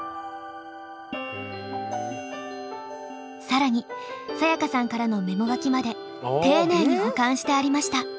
更にサヤカさんからのメモ書きまで丁寧に保管してありました。